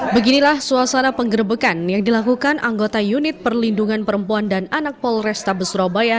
beginilah suasana penggerbekan yang dilakukan anggota unit perlindungan perempuan dan anak polrestabes surabaya